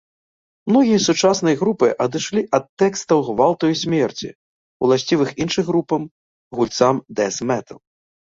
Многія сучасныя групы адышлі ад тэкстаў гвалту і смерці, уласцівых іншым групам, гульцам дэз-метал.